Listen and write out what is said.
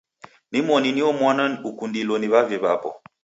Nimoni nio mwana ukundilo ni w'avi w'apo.